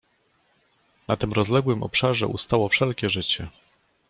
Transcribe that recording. "Na tym rozległym obszarze ustało wszelkie życie."